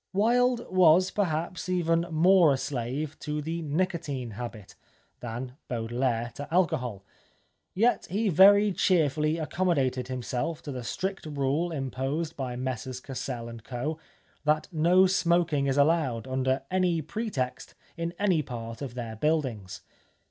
Wilde, was, perhaps, even more a slave to the nicotine habit, than Baudelaire, to alcohol, yet he very cheerfully accommodated himself to the strict rule im posed by Messrs Cassell & Co., that no smoking is allowed, under any pretext, in any part of their buildings.